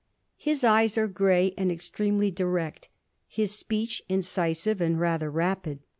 His eyes are grey and extremely direct. His speech incisive and rather rapid.